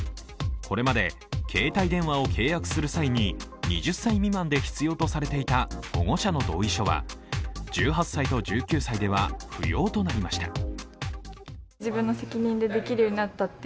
これまで携帯電話を契約する際に２０歳未満で必要とされていた保護者の同意書は１８歳と１９歳では不要となりました。